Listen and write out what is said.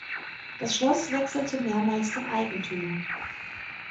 Das Schloss wechselte mehrmals den Eigentümer.